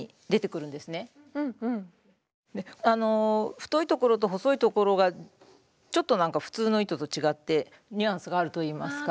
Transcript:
太いところと細いところがちょっと普通の糸と違ってニュアンスがあるといいますか。